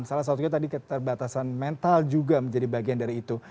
salah satunya tadi keterbatasan mental juga menjadi bagian dari itu